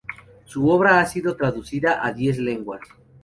Su obra ha sido traducida a diez lenguas.